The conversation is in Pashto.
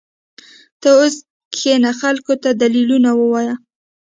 ته اوس کښېنه خلقو ته دليلونه ووايه.